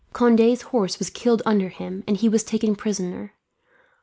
Conde's horse was killed under him, and he was made prisoner.